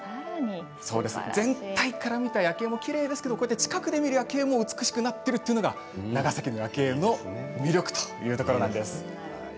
全体から見た夜景もきれいですが近くで見る夜景も美しくなっているというのが長崎の夜景の魅力というところなんです。